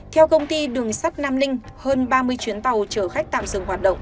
theo công ty đường sắt nam ninh hơn ba mươi chuyến tàu chở khách tạm dừng hoạt động